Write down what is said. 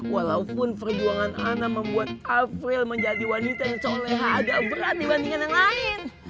walaupun perjuangan ana membuat kafril menjadi wanita yang coleha agak berat dibandingkan yang lain